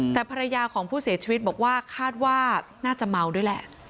แต่ภรรยาของผู้เสียชีวิตบอกว่าคาดว่าน่าจะเมาด้วยแหละ